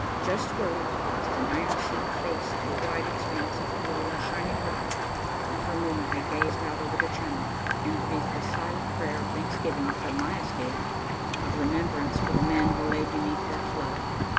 Just where we paused, an iron seat faced the wide expanse of blue and shining water, and for a moment I gazed out over the Channel and breathed a silent prayer of thanksgiving for my escape, of remembrance for the men who lay beneath that flood.